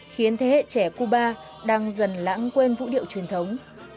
khiến thế hệ trẻ cuba đang dần lãng quên vũ điệu truyền thống